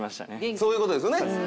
そういう事ですよね。